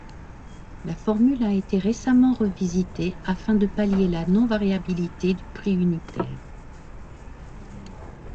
La formule a été récemment revisitée afin de pallier la non-variabilité du prix unitaire...